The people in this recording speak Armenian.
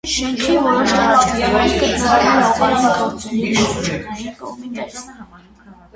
Շենքի որոշ տարածքներում գտնվում էր հողային գործերի շրջանային կոմիտեն։